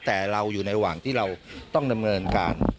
แต่เราอยู่ในระหว่างที่เราต้องดำเนินการ